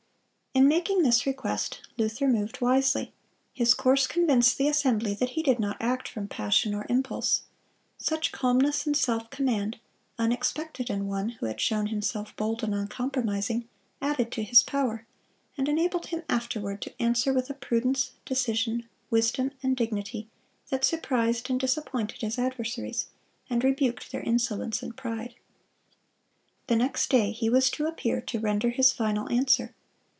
(216) In making this request, Luther moved wisely. His course convinced the assembly that he did not act from passion or impulse. Such calmness and self command, unexpected in one who had shown himself bold and uncompromising, added to his power, and enabled him afterward to answer with a prudence, decision, wisdom, and dignity that surprised and disappointed his adversaries, and rebuked their insolence and pride. The next day he was to appear to render his final answer.